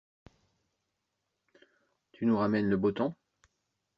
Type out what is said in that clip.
Tu nous ramènes le beau temps?